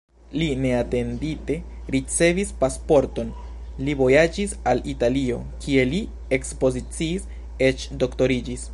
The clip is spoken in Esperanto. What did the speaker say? Li neatendite ricevis pasporton, li vojaĝis al Italio, kie li ekspoziciis, eĉ doktoriĝis.